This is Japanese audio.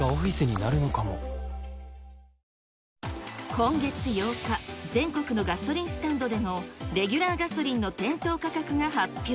今月８日、全国のガソリンスタンドでのレギュラーガソリンの店頭価格が発表。